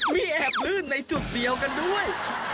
มีแอบลื่นในจุดเดียวกันด้วย